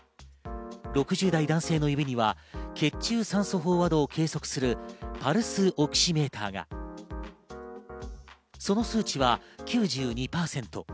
６０代男性の指には血中酸素飽和度を計測するパルスオキシメーター、その数値は９２％。